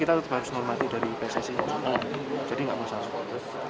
kita harus menghormati dari pssi jadi nggak masalah